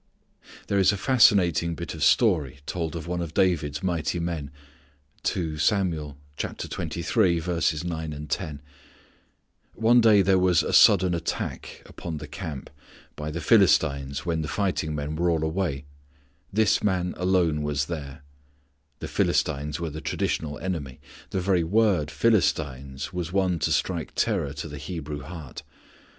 There is a fascinating bit of story told of one of David's mighty men. One day there was a sudden attack upon the camp by the Philistines when the fighting men were all away. This man alone was there. The Philistines were the traditional enemy. The very word "Philistines" was one to strike terror to the Hebrew heart.